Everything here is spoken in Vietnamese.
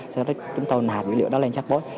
sau đó chúng tôi nạp dữ liệu đó lên chatbot